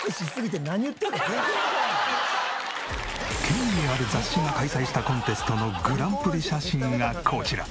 権威ある雑誌が開催したコンテストのグランプリ写真がこちら。